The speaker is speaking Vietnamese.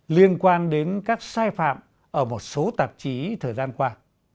liên quan đến các sai phạm ở một số tạp chí thời gian qua